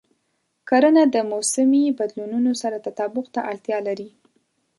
کرنه د موسمي بدلونونو سره تطابق ته اړتیا لري.